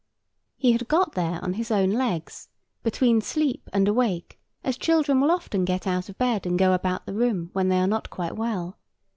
He had got there on his own legs, between sleep and awake, as children will often get out of bed, and go about the room, when they are not quite well.